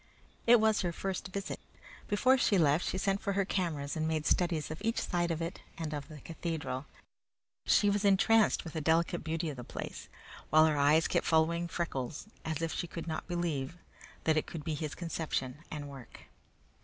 It was her first visit. Before she left she sent for her cameras and made studies of each side of it and of the cathedral. She was entranced with the delicate beauty of the place, while her eyes kept following Freckles as if she could not believe that it could be his conception and work.